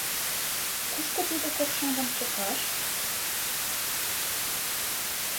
Кушко тиде коршаҥгым чыкаш?»